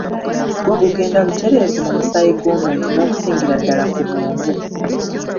Gwo gugenda butereevu mu musaayi gw'omuntu n'okusingira ddala ku bwongo.